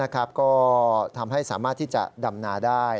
ก็ทำให้สามารถที่จะดำนาได้